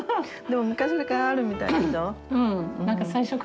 でも昔からあるみたいでしょ？